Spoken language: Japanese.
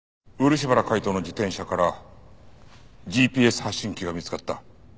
漆原海斗の自転車からＧＰＳ発信器が見つかった。